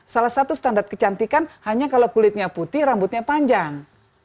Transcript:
salah satu standar kecantikan hanya kalau kulitnya putih rambutnya panjang